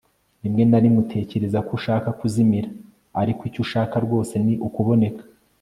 rimwe na rimwe utekereza ko ushaka kuzimira, ariko icyo ushaka rwose ni ukuboneka